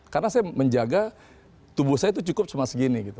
karena saya menjaga tubuh saya itu cukup cuma segini gitu